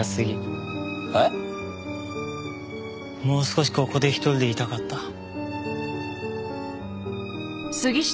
もう少しここで１人でいたかった。